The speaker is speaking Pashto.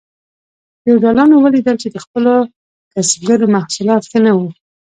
فیوډالانو ولیدل چې د خپلو کسبګرو محصولات ښه نه وو.